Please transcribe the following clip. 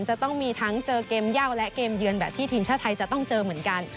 จะต้องมีทั้งเจอเกมเย่าและเกมเยือนแบบที่ทีมชาติไทยจะต้องเจอเหมือนกัน